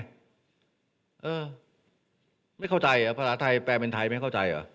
เออไม่เข้าใจอ่ะภาษาไทยแปลเป็นไทยไม่เข้าใจเหรอ